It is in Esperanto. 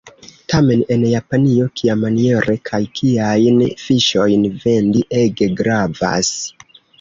Tamen en Japanio kiamaniere kaj kiajn fiŝojn vendi ege gravas.